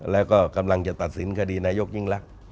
แล้วก็กำลังจะตัดสินคดีนายกยิ่งรัก